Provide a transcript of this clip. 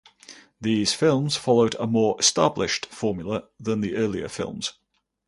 These films followed a more established formula than the earlier films.